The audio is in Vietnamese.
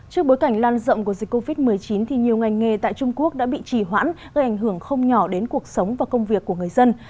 trước bối cảnh lan rộng của dịch covid một mươi chín nhiều ngành nghề tại trung quốc đã bị trì hoãn gây ảnh hưởng không nhỏ đến cuộc sống và công việc của người dân